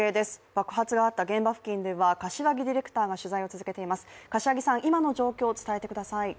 爆発があった現場付近では柏木ディレクターが取材を続けています。